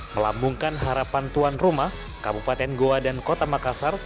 melambungkan harapan tuan rumah kabupaten goa dan kota makassar